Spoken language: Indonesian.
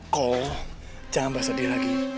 kau jangan bahas adil lagi